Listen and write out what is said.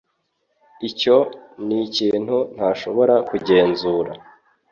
Icyo nikintu ntashobora kugenzura